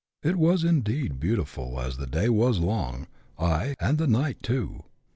It was indeed beautiful as the day was long , ay, and the night too.